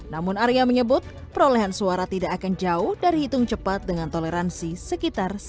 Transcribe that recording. namun arya menyebut perolehan suara tidak akan jauh dari hitung cepat dengan toleransi sekitar